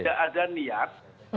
saya kira tidak ada niat